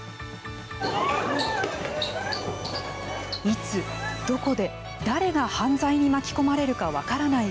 いつ、どこで、誰が犯罪に巻き込まれるか分からない